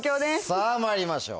さぁまいりましょう。